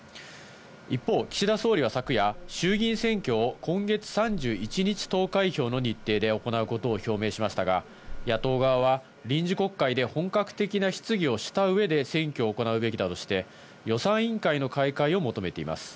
一方、岸田総理は昨夜、衆議院選挙を今月３１日投開票の日程で行うことを表明しましたが、野党側は臨時国会で本格的な質疑をした上で選挙を行うべきだとして予算委員会の開会を求めています。